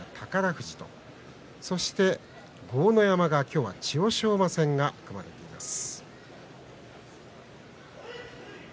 富士豪ノ山が今日は千代翔馬戦が組まれています。